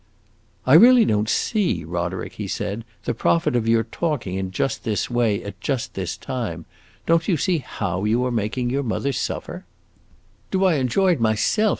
"I really don't see, Roderick," he said, "the profit of your talking in just this way at just this time. Don't you see how you are making your mother suffer?" "Do I enjoy it myself?"